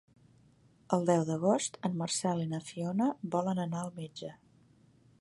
El deu d'agost en Marcel i na Fiona volen anar al metge.